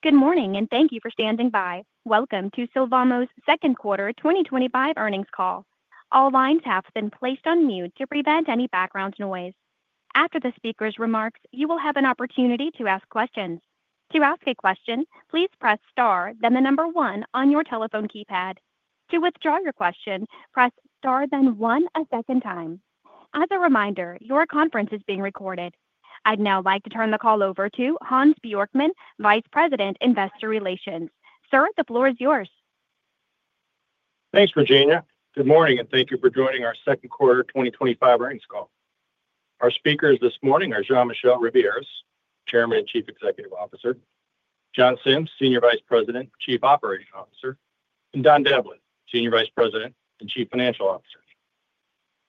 Good morning and thank you for standing by. Welcome to Sylvamo's Second Quarter 2025 Earnings Call. All lines have been placed on mute to prevent any background noise. After the speaker's remarks, you will have an opportunity to ask questions. To ask a question, please press star, then the number one on your telephone keypad. To withdraw your question, press star, then one a second time. As a reminder, your conference is being recorded. I'd now like to turn the call over to Hans Bjorkman, Vice President of Investor Relations. Sir, the floor is yours. Thanks, Virginia. Good morning and thank you for joining our Second Quarter 2025 Earnings Call. Our speakers this morning are Jean-Michel Ribiéras, Chairman and Chief Executive Officer, John Sims, Senior Vice President, Chief Operating Officer, and Don Devlin, Senior Vice President and Chief Financial Officer.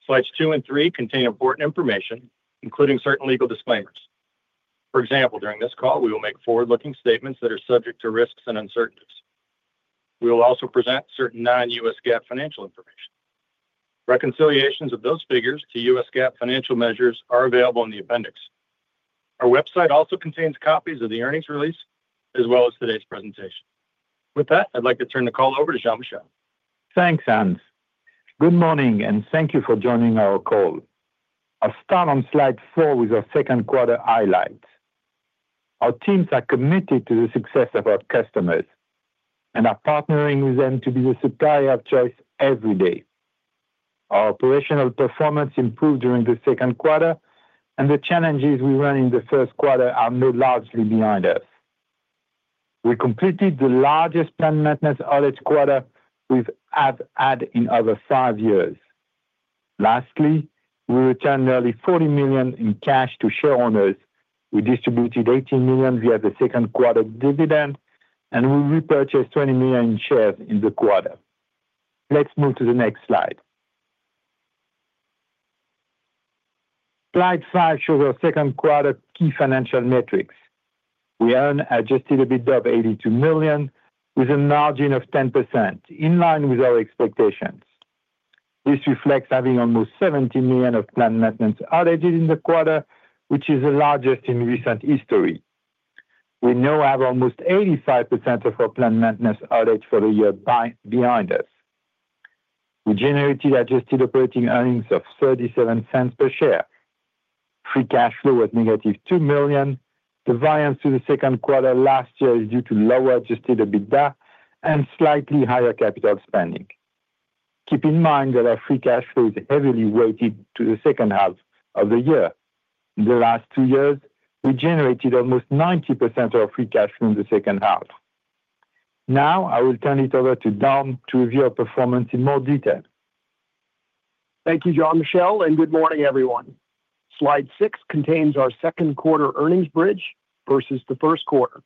Slides two and three contain important information, including certain legal disclaimers. For example, during this call, we will make forward-looking statements that are subject to risks and uncertainties. We will also present certain non-U.S. GAAP financial information. Reconciliations of those figures to U.S. GAAP financial measures are available in the appendix. Our website also contains copies of the earnings release, as well as today's presentation. With that, I'd like to turn the call over to Jean-Michel. Thanks, Hans. Good morning and thank you for joining our call. I'll start on slide four with our second quarter highlights. Our teams are committed to the success of our customers and are partnering with them to be the supplier of choice every day. Our operational performance improved during the second quarter, and the challenges we ran in the first quarter are now largely behind us. We completed the largest planned maintenance earnings quarter we've ever had in over five years. Lastly, we returned nearly $40 million in cash to shareholders. We distributed $18 million via the second quarter dividend, and we repurchased $20 million in shares in the quarter. Let's move to the next slide. Slide five shows our second quarter key financial metrics. We earned adjusted EBITDA of $82 million with a margin of 10%, in line with our expectations. This reflects having almost $70 million of planned maintenance outages in the quarter, which is the largest in recent history. We now have almost 85% of our planned maintenance outage for the year behind us. We generated adjusted operating earnings of $0.37 per share. Free cash flow was -$2 million. The variance to the second quarter last year is due to lower adjusted EBITDA and slightly higher capital spending. Keep in mind that our free cash flow is heavily weighted to the second half of the year. In the last two years, we generated almost 90% of our free cash flow in the second half. Now, I will turn it over to Don to review our performance in more detail. Thank you, Jean-Michel, and good morning, everyone. Slide six contains our second quarter earnings bridge versus the first quarter.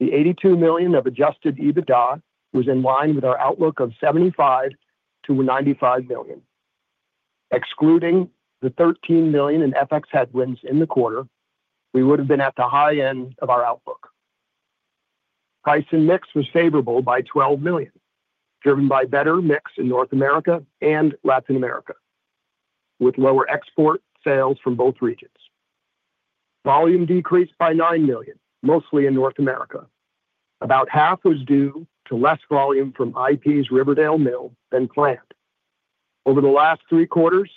The $82 million of adjusted EBITDA was in line with our outlook of $75 million-$95 million. Excluding the $13 million in FX headwinds in the quarter, we would have been at the high end of our outlook. Price and mix was favorable by $12 million, driven by better mix in North America and Latin America, with lower export sales from both regions. Volume decreased by $9 million, mostly in North America. About half was due to less volume from International Paper's Riverdale Mill than planned. Over the last three quarters,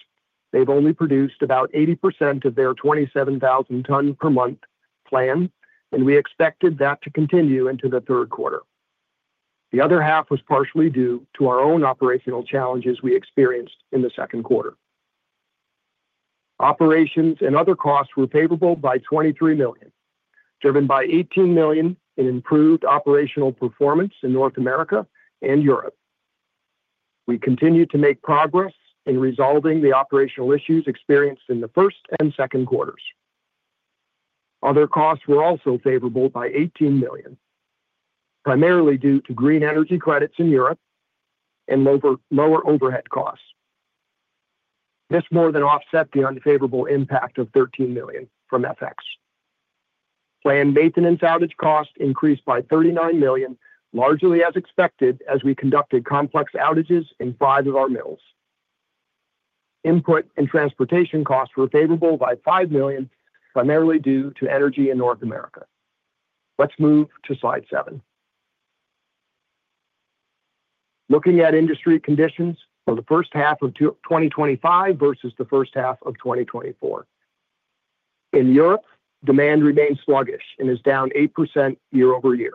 they've only produced about 80% of their 27,000 tonnes per month planned, and we expected that to continue into the third quarter. The other half was partially due to our own operational challenges we experienced in the second quarter. Operations and other costs were favorable by $23 million, driven by $18 million in improved operational performance in North America and Europe. We continued to make progress in resolving the operational issues experienced in the first and second quarters. Other costs were also favorable by $18 million, primarily due to green energy credits in Europe and lower overhead costs. This more than offset the unfavorable impact of $13 million from FX. Planned maintenance outage costs increased by $39 million, largely as expected, as we conducted complex outages in five of our mills. Input and transportation costs were favorable by $5 million, primarily due to energy in North America. Let's move to slide seven. Looking at industry conditions for the first half of 2025 versus the first half of 2024. In Europe, demand remains sluggish and is down 8% year-over-year.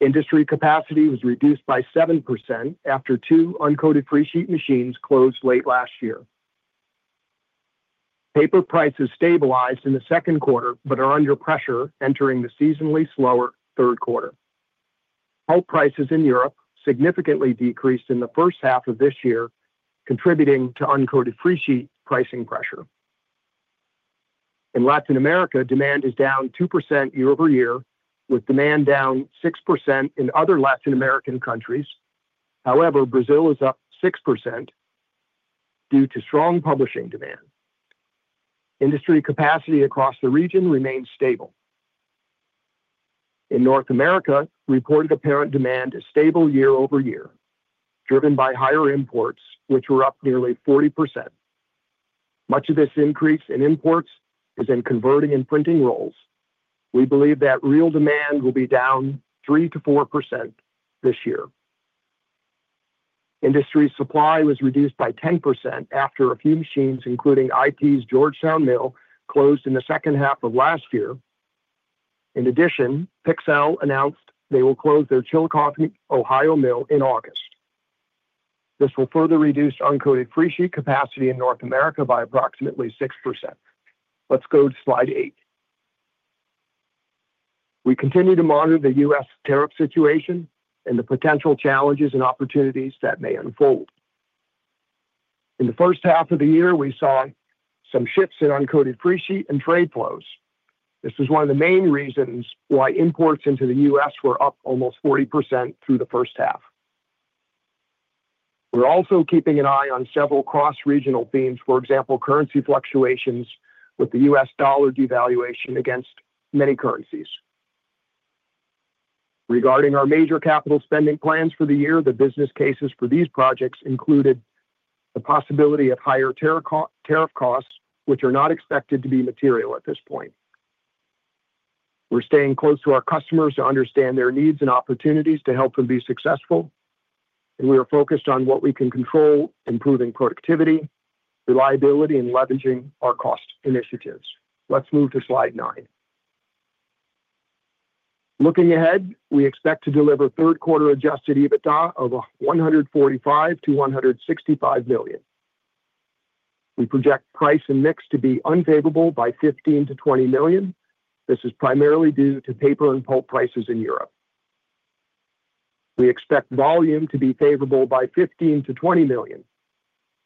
Industry capacity was reduced by 7% after two uncoated freesheet paper machines closed late last year. Paper prices stabilized in the second quarter but are under pressure, entering the seasonally slower third quarter. Pulp prices in Europe significantly decreased in the first half of this year, contributing to uncoated freesheet paper pricing pressure. In Latin America, demand is down 2% year-over-year, with demand down 6% in other Latin American countries. However, Brazil is up 6% due to strong publishing demand. Industry capacity across the region remains stable. In North America, reported apparent demand is stable year-over-year, driven by higher imports, which were up nearly 40%. Much of this increase in imports is in converting and printing rolls. We believe that real demand will be down 3%-4% this year. Industry supply was reduced by 10% after a few machines, including International Paper's Georgetown Mill, closed in the second half of last year. In addition, Pixelle announced they will close their Chillicothe Mill in Ohio in August. This will further reduce uncoated freesheet capacity in North America by approximately 6%. Let's go to slide eight. We continue to monitor the U.S. tariff situation and the potential challenges and opportunities that may unfold. In the first half of the year, we saw some shifts in uncoated freesheet and trade flows. This was one of the main reasons why imports into the U.S. were up almost 40% through the first half. We're also keeping an eye on several cross-regional themes, for example, currency fluctuations with the U.S. dollar devaluation against many currencies. Regarding our major capital spending plans for the year, the business cases for these projects included the possibility of higher tariff costs, which are not expected to be material at this point. We're staying close to our customers to understand their needs and opportunities to help them be successful. We are focused on what we can control, improving productivity, reliability, and leveraging our cost initiatives. Let's move to slide nine. Looking ahead, we expect to deliver third-quarter adjusted EBITDA of $145 million-$165 million. We project price and mix to be unfavorable by $15 million-$20 million. This is primarily due to paper and pulp prices in Europe. We expect volume to be favorable by $15 million-$20 million.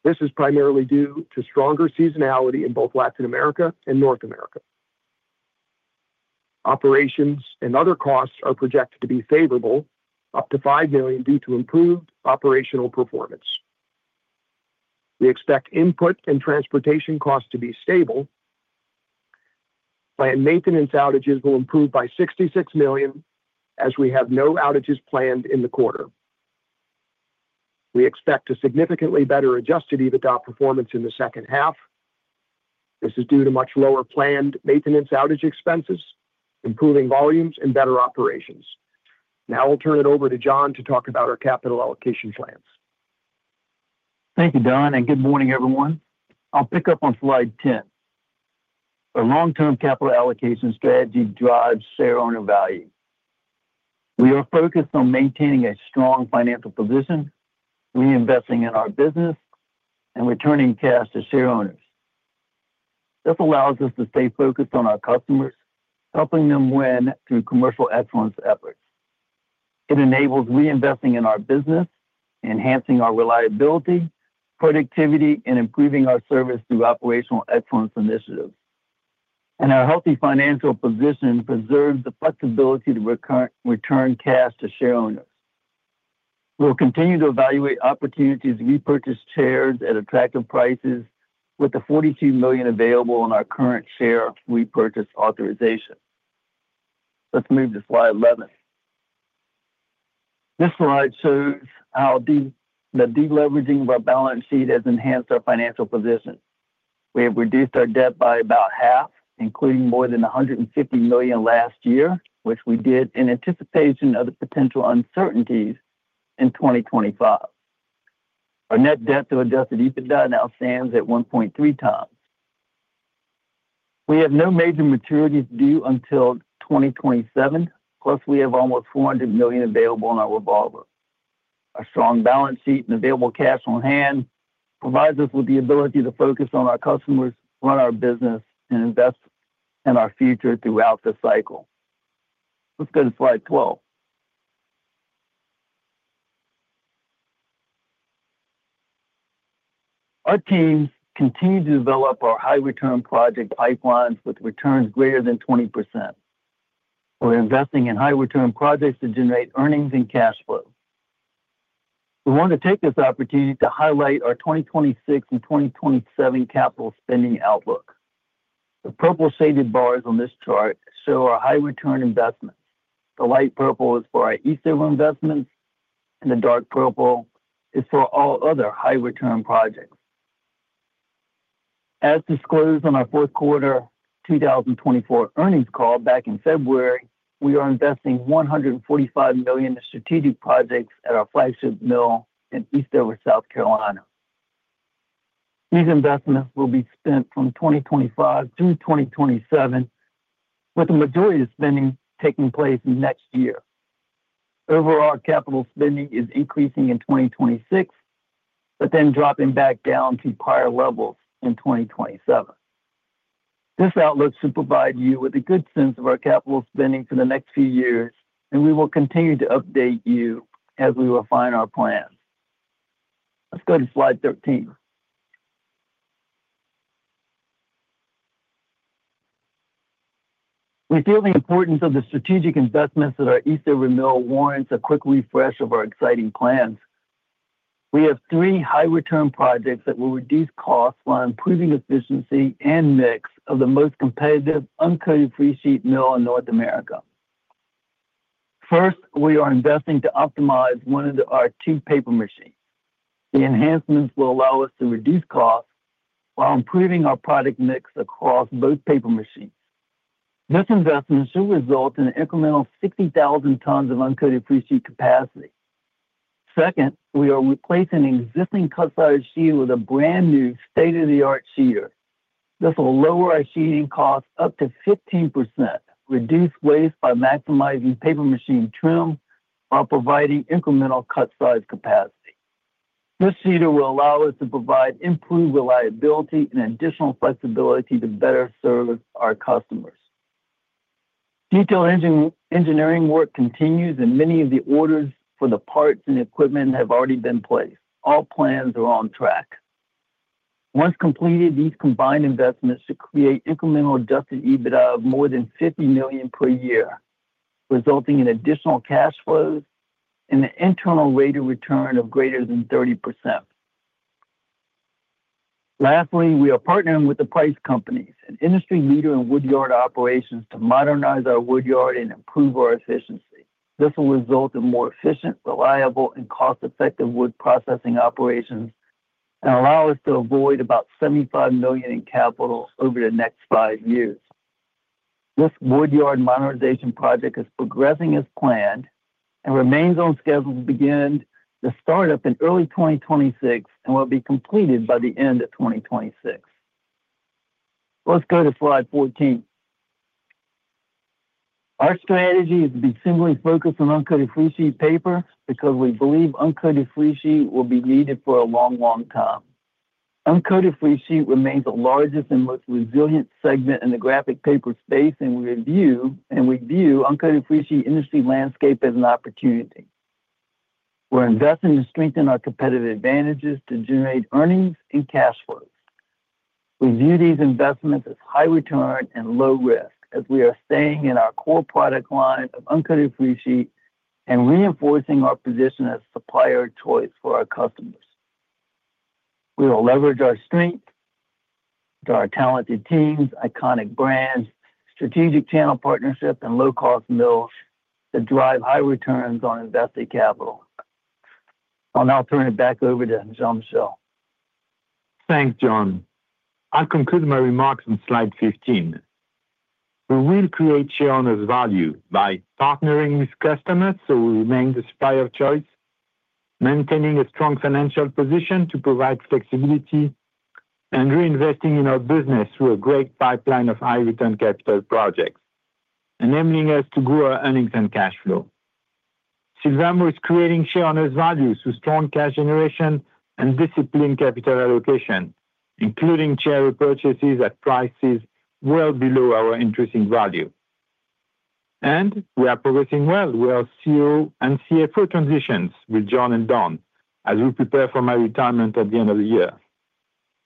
This is primarily due to stronger seasonality in both Latin America and North America. Operations and other costs are projected to be favorable, up to $5 million due to improved operational performance. We expect input and transportation costs to be stable. Planned maintenance outages will improve by $66 million as we have no outages planned in the quarter. We expect a significantly better adjusted EBITDA performance in the second half. This is due to much lower planned maintenance outage expenses, improving volumes, and better operations. Now I'll turn it over to John to talk about our capital allocation plans. Thank you, Don, and good morning, everyone. I'll pick up on slide 10. A long-term capital allocation strategy drives share owner value. We are focused on maintaining a strong financial position, reinvesting in our business, and returning cash to shareholders. This allows us to stay focused on our customers, helping them win through commercial excellence efforts. It enables reinvesting in our business, enhancing our reliability, productivity, and improving our service through operational excellence initiatives. Our healthy financial position preserves the flexibility to return cash to shareholders. We'll continue to evaluate opportunities to repurchase shares at attractive prices, with the $42 million available on our current share repurchase authorization. Let's move to slide 11. This slide shows how the deleveraging of our balance sheet has enhanced our financial position. We have reduced our debt by about half, including more than $150 million last year, which we did in anticipation of the potential uncertainties in 2025. Our net debt to adjusted EBITDA now stands at 1.3x. We have no major maturities due until 2027, plus we have almost $400 million available on our revolver. A strong balance sheet and available cash on hand provide us with the ability to focus on our customers, run our business, and invest in our future throughout the cycle. Let's go to slide 12. Our team continues to develop our high-return project pipelines with returns greater than 20%. We're investing in high-return projects to generate earnings and cash flow. We want to take this opportunity to highlight our 2026 and 2027 capital spending outlook. The purple shaded bars on this chart show our high-return investments. The light purple is for our ETF investments, and the dark purple is for all other high-return projects. As disclosed on our fourth quarter 2024 earnings call back in February, we are investing $145 million in strategic projects at our flagship mill in Eastover, South Carolina. These investments will be spent from 2025 through 2027, with the majority of spending taking place next year. Overall, our capital spending is increasing in 2026, but then dropping back down to prior levels in 2027. This outlook should provide you with a good sense of our capital spending for the next few years, and we will continue to update you as we refine our plans. Let's go to slide 13. We feel the importance of the strategic investments at our Eastover Mill warrants a quick refresh of our exciting plans. We have three high-return projects that will reduce costs while improving efficiency and mix of the most competitive uncoated freesheet mill in North America. First, we are investing to optimize one of our two paper machines. The enhancements will allow us to reduce costs while improving our product mix across both paper machines. This investment should result in an incremental 60,000 tons of uncoated freesheet capacity. Second, we are replacing an existing cut-size sheeter with a brand new state-of-the-art sheeter. This will lower our sheeting costs up to 15%, reduce waste by maximizing paper machine trim, while providing incremental cut-size capacity. This sheeter will allow us to provide improved reliability and additional flexibility to better serve our customers. Detailed engineering work continues, and many of the orders for the parts and equipment have already been placed. All plans are on track. Once completed, these combined investments should create incremental adjusted EBITDA of more than $50 million per year, resulting in additional cash flows and an internal rate of return of greater than 30%. Lastly, we are partnering with Price Companies, an industry leader in wood yard operations, to modernize our wood yard and improve our efficiency. This will result in more efficient, reliable, and cost-effective wood processing operations and allow us to avoid about $75 million in capital over the next five years. This wood yard modernization project is progressing as planned and remains on schedule to begin the startup in early 2026 and will be completed by the end of 2026. Let's go to slide 14. Our strategy is to be singly focused on uncoated freesheet paper because we believe uncoated freesheet will be needed for a long, long time. Uncoated freesheet remains the largest and most resilient segment in the graphic paper space, and we view the uncoated freesheet industry landscape as an opportunity. We're investing to strengthen our competitive advantages to generate earnings and cash flows. We view these investments as high return and low risk as we are staying in our core product line of uncoated freesheet and reinforcing our position as supplier of choice for our customers. We will leverage our strength, our talented teams, iconic brands, strategic channel partnerships, and low-cost mills that drive high returns on invested capital. I'll now turn it back over to Jean-Michel. Thanks, John. I'll conclude my remarks on slide 15. We will create shareholders' value by partnering with customers so we remain the supplier of choice, maintaining a strong financial position to provide flexibility, and reinvesting in our business through a great pipeline of high-return capital projects, enabling us to grow our earnings and cash flow. Sylvamo is creating shareholders' value through strong cash generation and disciplined capital allocation, including share repurchases at prices well below our intrinsic value. We are progressing well with our CEO and CFO transitions with John and Don as we prepare for my retirement at the end of the year.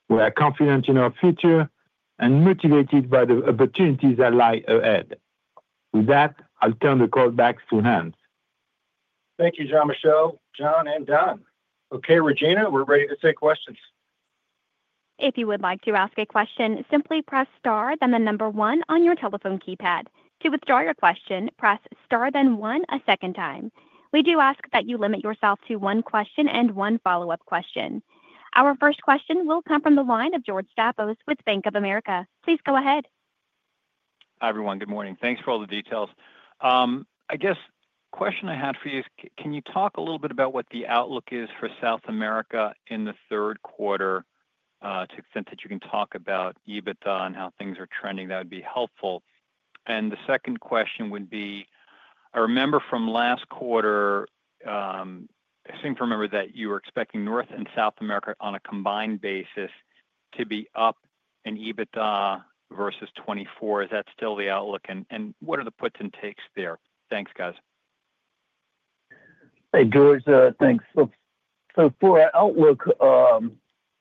We are confident in our future and motivated by the opportunities that lie ahead. With that, I'll turn the call back to Hans. Thank you, Jean-Michel, John, and Don. Okay, Regina, we're ready to take questions. If you would like to ask a question, simply press star, then the number one on your telephone keypad. To withdraw your question, press star, then one a second time. We do ask that you limit yourself to one question and one follow-up question. Our first question will come from the line of George Staphos with Bank of America. Please go ahead. Hi, everyone. Good morning. Thanks for all the details. I guess the question I had for you is, can you talk a little bit about what the outlook is for South America in the third quarter, to the extent that you can talk about EBITDA and how things are trending? That would be helpful. The second question would be, I remember from last quarter, I seem to remember that you were expecting North and South America on a combined basis to be up in EBITDA versus 2024. Is that still the outlook? What are the puts and takes there? Thanks, guys. Hey, George, thanks. For our outlook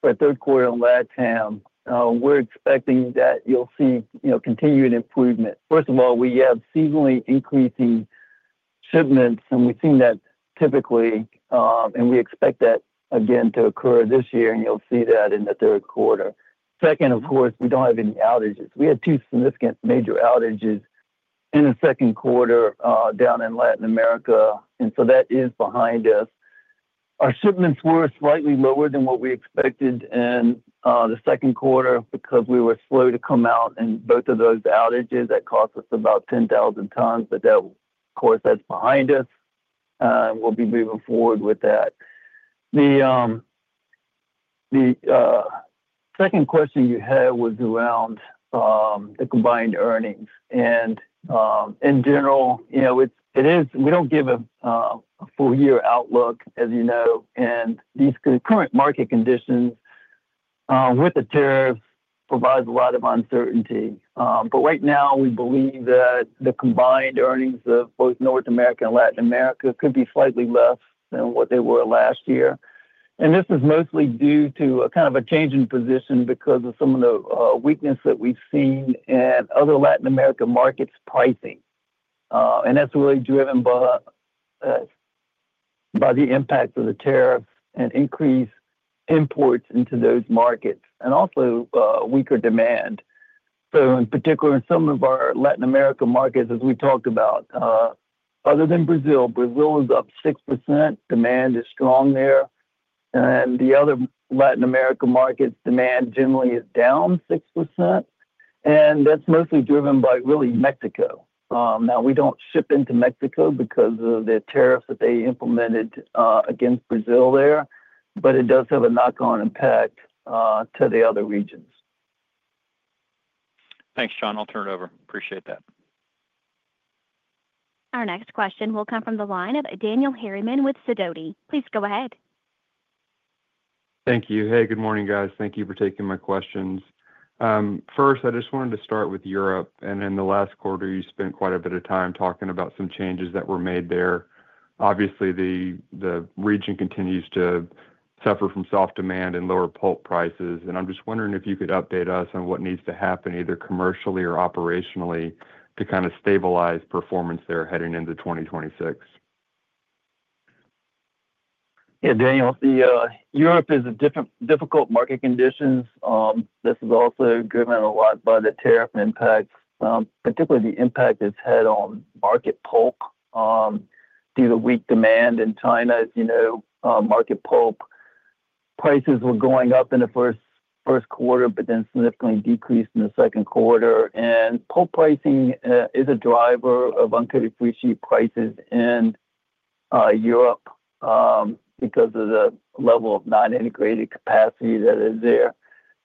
for our third quarter in Latin America, we're expecting that you'll see continued improvement. First of all, we have seasonally increasing shipments, and we've seen that typically, and we expect that again to occur this year, and you'll see that in the third quarter. Second, we don't have any outages. We had two significant major outages in the second quarter, down in Latin America, and that is behind us. Our shipments were slightly lower than what we expected in the second quarter because we were slow to come out in both of those outages that cost us about 10,000 tons, but that's behind us, and we'll be moving forward with that. The second question you had was around the combined earnings. In general, we don't give a full-year outlook, as you know, and these current market conditions with the tariffs provide a lot of uncertainty. Right now, we believe that the combined earnings of both North America and Latin America could be slightly less than what they were last year. This is mostly due to a kind of a change in position because of some of the weakness that we've seen in other Latin American markets' pricing, and that's really driven by the impact of the tariffs and increased imports into those markets and also weaker demand. In particular, in some of our Latin American markets, as we talked about, other than Brazil, Brazil is up 6%. Demand is strong there. In the other Latin American markets, demand generally is down 6%, and that's mostly driven by really Mexico. We don't ship into Mexico because of the tariff that they implemented against Brazil there, but it does have a knock-on impact to the other regions. Thanks, John. I'll turn it over. Appreciate that. Our next question will come from the line of Daniel Harriman with Sidoti. Please go ahead. Thank you. Hey, good morning, guys. Thank you for taking my questions. First, I just wanted to start with Europe. In the last quarter, you spent quite a bit of time talking about some changes that were made there. Obviously, the region continues to suffer from soft demand and lower pulp prices. I'm just wondering if you could update us on what needs to happen either commercially or operationally to kind of stabilize performance there heading into 2026. Yeah, Daniel, Europe is a different, difficult market conditions. This is also driven a lot by the tariff impacts, particularly the impact it's had on market pulp, due to weak demand in China. As you know, market pulp prices were going up in the first quarter, but then significantly decreased in the second quarter. Pulp pricing is a driver of uncoated freesheet prices in Europe because of the level of non-integrated capacity that is there.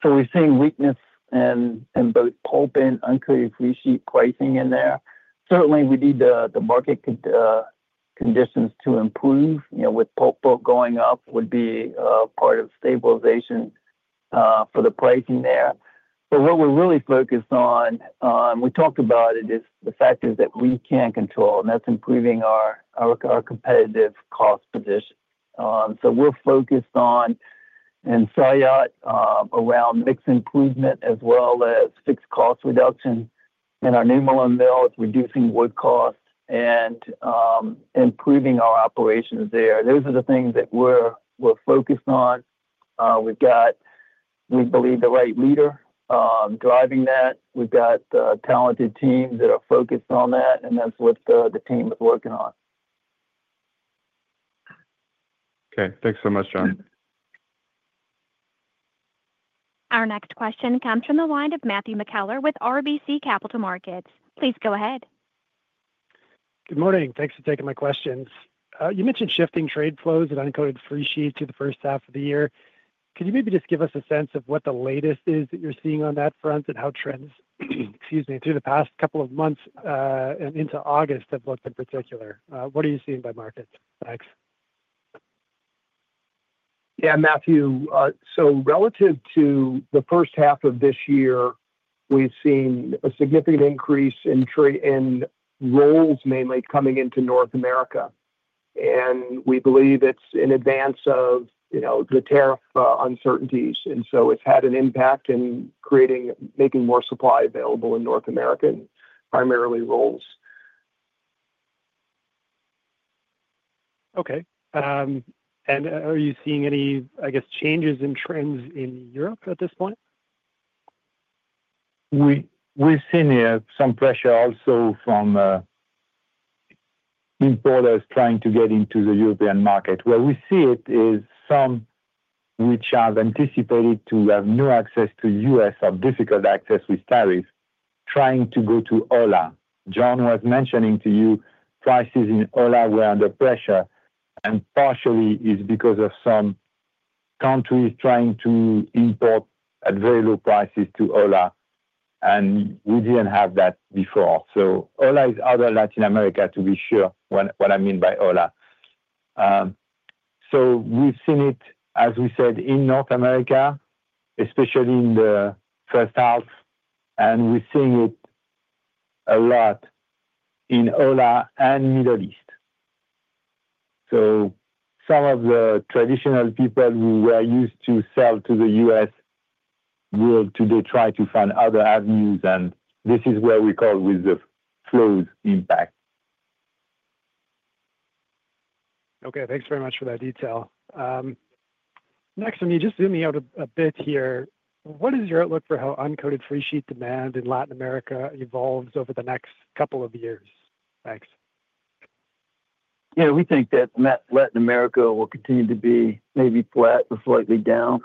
We're seeing weakness in both pulp and uncoated freesheet pricing in there. Certainly, we need the market conditions to improve, you know, with pulp going up would be part of stabilization for the pricing there. What we're really focused on, we talked about it, is the factors that we can control, and that's improving our competitive cost position. We're focused on, on [SIoT], around mix improvement as well as fixed cost reduction in our New Milan mills, reducing wood costs, and improving our operations there. Those are the things that we're focused on. We've got, we believe, the right leader driving that. We've got the talented teams that are focused on that, and that's what the team is working on. Okay. Thanks so much, John. Our next question comes from the line of Matthew McKellar with RBC Capital Markets. Please go ahead. Good morning. Thanks for taking my questions. You mentioned shifting trade flows and uncoated freesheet through the first half of the year. Could you maybe just give us a sense of what the latest is that you're seeing on that front and how trends through the past couple of months and into August have looked in particular? What are you seeing by markets? Thanks. Yeah, Matthew. Relative to the first half of this year, we've seen a significant increase in trade in rolls, mainly coming into North America. We believe it's in advance of the tariff uncertainties. It's had an impact in making more supply available in North America, and primarily rolls. Are you seeing any, I guess, changes in trends in Europe at this point? We've seen some pressure also from importers trying to get into the European market. Where we see it is some which have anticipated to have no access to the U.S. or difficult access with tariffs, trying to go to OLA. John was mentioning to you prices in OLA were under pressure, and partially it's because of some countries trying to import at very low prices to OLA, and we didn't have that before. OLA is out of Latin America, to be sure, what I mean by OLA. We've seen it, as we said, in North America, especially in the first half, and we're seeing it a lot in OLA and the Middle East. Some of the traditional people who were used to sell to the U.S., Europe today try to find other avenues, and this is where we call with the flows impact. Okay. Thanks very much for that detail. Next, let me just zoom out a bit here. What is your outlook for how uncoated freesheet demand in Latin America evolves over the next couple of years? Thanks. Yeah, we think that Latin America will continue to be maybe flat or slightly down.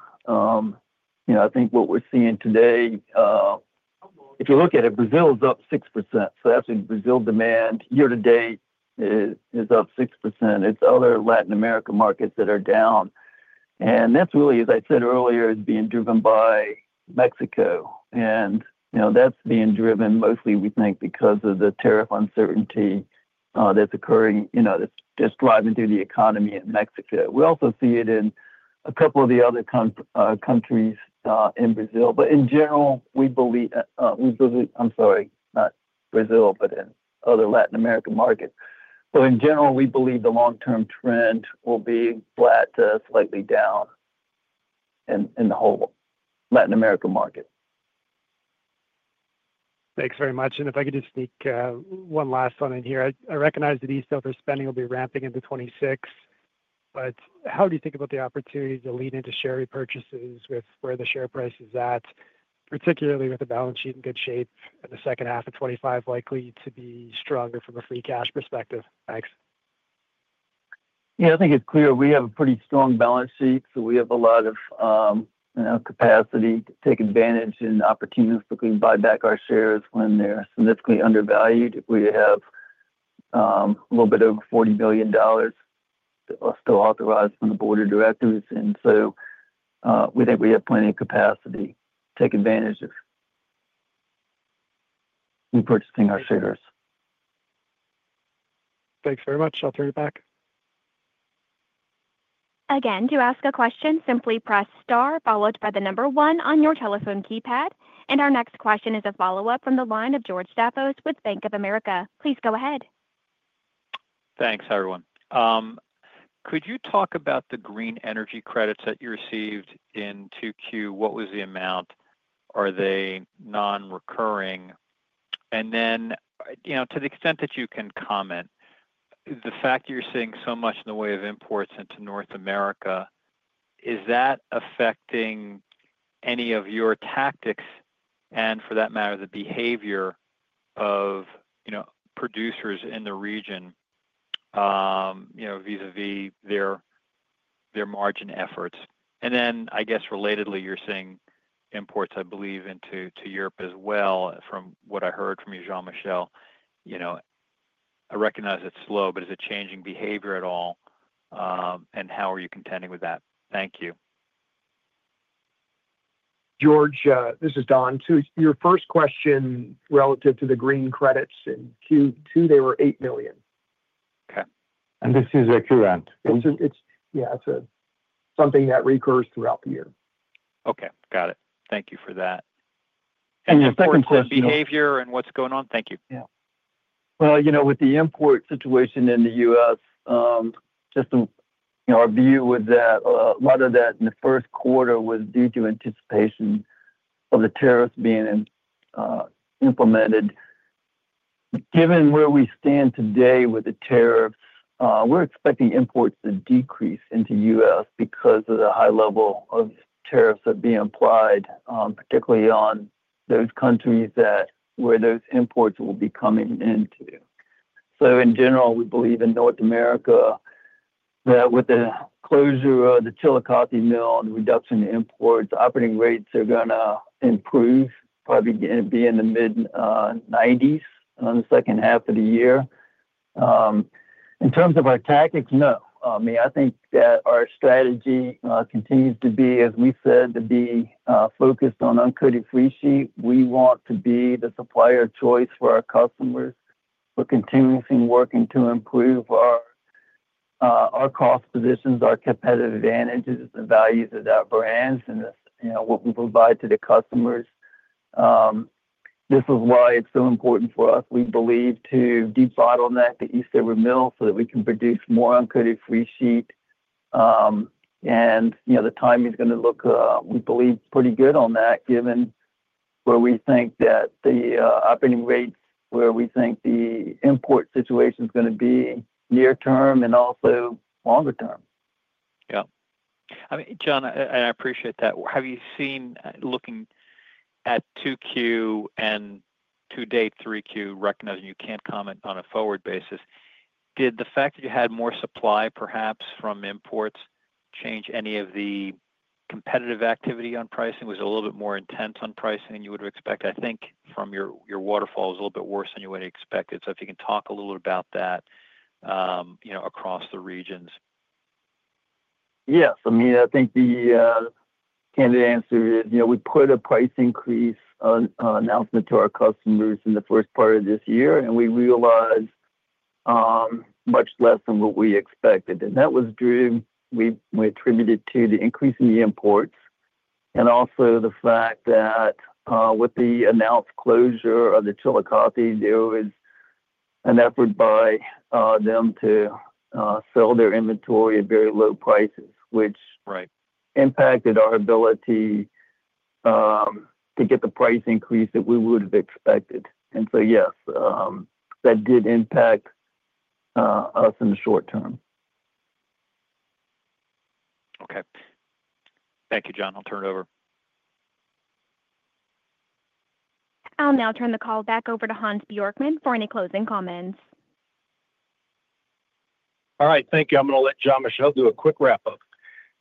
I think what we're seeing today, if you look at it, Brazil's up 6%. So that's in Brazil demand year to date is up 6%. It's other Latin American markets that are down. That's really, as I said earlier, being driven by Mexico. That's being driven mostly, we think, because of the tariff uncertainty that's occurring, that's driving through the economy in Mexico. We also see it in a couple of the other countries, not Brazil, but in other Latin American markets. In general, we believe the long-term trend will be flat to slightly down in the whole Latin American market. Thanks very much. If I could just sneak one last one in here, I recognize that ETF spending will be ramping into 2026, but how do you think about the opportunity to lead into share repurchases with where the share price is at, particularly with the balance sheet in good shape in the second half of 2025, likely to be stronger from a free cash perspective? Thanks. I think it's clear we have a pretty strong balance sheet. We have a lot of capacity to take advantage and opportunities to buy back our shares when they're significantly undervalued. We have a little bit over $40 million that are still authorized from the board of directors. We think we have plenty of capacity to take advantage of repurchasing our shares. Thanks very much. I'll turn it back. Again, to ask a question, simply press star followed by the number one on your telephone keypad. Our next question is a follow-up from the line of George Staphos with Bank of America. Please go ahead. Thanks, everyone. Could you talk about the green energy credits that you received in 2Q? What was the amount? Are they non-recurring? To the extent that you can comment, the fact you're seeing so much in the way of imports into North America, is that affecting any of your tactics and, for that matter, the behavior of producers in the region, you know, vis-à-vis their margin efforts? I guess, relatedly, you're seeing imports, I believe, into Europe as well. From what I heard from you, Jean-Michel, I recognize it's slow, but is it changing behavior at all? How are you contending with that? Thank you. George, this is Don too. Your first question relative to the green credits in Q2, they were $8 million. Okay. This is a true end. Yeah, it's something that recurs throughout the year. Okay. Got it. Thank you for that. Your second question. For the behavior and what's going on, thank you. Yeah. With the import situation in the U.S., our view is that a lot of that in the first quarter was due to anticipation of the tariff being implemented. Given where we stand today with the tariff, we're expecting imports to decrease into the U.S. because of the high level of tariffs that are being applied, particularly on those countries where those imports will be coming into. In general, we believe in North America that with the closure of the Chillicothe Mill and the reduction in imports, operating rates are going to improve, probably be in the mid-90% range in the second half of the year. In terms of our tactics, no, I mean, I think that our strategy continues to be, as we've said, to be focused on uncoated freesheet. We want to be the supplier of choice for our customers. We're continuing to work to improve our cost positions, our competitive advantages, the values of our brands, and what we provide to the customers. This is why it's so important for us, we believe, to de-bottleneck the Eastover Mill so that we can produce more uncoated freesheet. The timing is going to look, we believe, pretty good on that given where we think that the operating rate, where we think the import situation is going to be near-term and also longer-term. Yeah, I mean, John, I appreciate that. Have you seen, looking at 2Q and today 3Q, recognizing you can't comment on a forward basis, did the fact that you had more supply, perhaps, from imports change any of the competitive activity on pricing? Was it a little bit more intense on pricing than you would have expected? I think from your waterfall, it was a little bit worse than you would have expected. If you can talk a little bit about that, you know, across the regions. Yeah, I mean, I think the candid answer is, you know, we put a price increase announcement to our customers in the first part of this year, and we realized much less than what we expected. That was driven, we attribute it to the increase in the imports and also the fact that, with the announced closure of the Chillicothe Mill, there was an effort by them to sell their inventory at very low prices, which impacted our ability to get the price increase that we would have expected. Yes, that did impact us in the short term. Okay, thank you, John. I'll turn it over. I'll now turn the call back over to Hans Bjorkman for any closing comments. All right. Thank you. I'm going to let Jean-Michel do a quick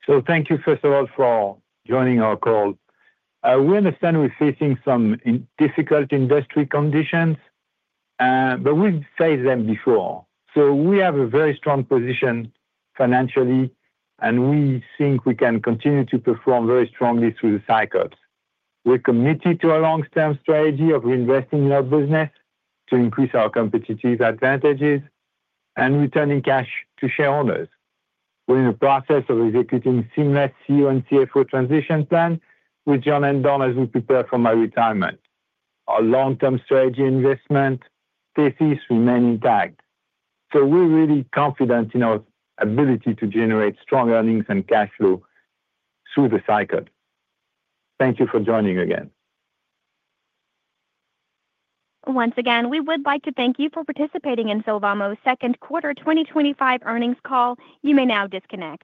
wrap-up. Thank you, first of all, for all joining our call. We understand we're facing some difficult industry conditions, but we've faced them before. We have a very strong position financially, and we think we can continue to perform very strongly through the cycles. We're committed to a long-term strategy of reinvesting in our business to increase our competitive advantages and returning cash to shareholders. We're in the process of executing a seamless CEO and CFO transition plan with John and Don as we prepare for my retirement. Our long-term strategy and investment thesis remain intact. We're really confident in our ability to generate strong earnings and cash flow through the cycle. Thank you for joining again. Once again, we would like to thank you for participating in Sylvamo's Second Quarter 2025 Earnings Call. You may now disconnect.